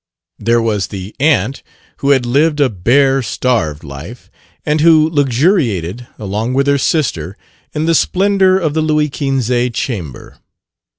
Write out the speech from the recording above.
There was the aunt, who had lived a bare, starved life, and who luxuriated, along with her sister, in the splendor of the Louis Quinze chamber.